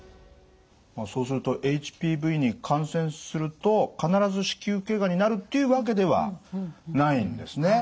まあそうするとＨＰＶに感染すると必ず子宮頸がんになるっていうわけではないんですね。